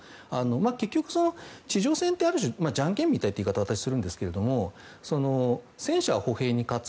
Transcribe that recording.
結局、地上戦ってある種じゃんけんみたいって言い方を私はするんですが戦車は歩兵に勝つ。